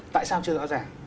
tại sao chưa rõ ràng